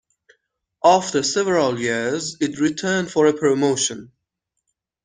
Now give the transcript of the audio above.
After several years, it returned for a promotion.